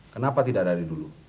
kenapa tidak dari dulu